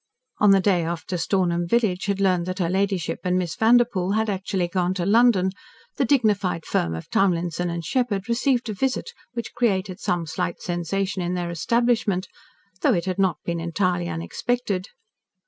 On the day after Stornham village had learned that her ladyship and Miss Vanderpoel had actually gone to London, the dignified firm of Townlinson & Sheppard received a visit which created some slight sensation in their establishment, though it had not been entirely unexpected.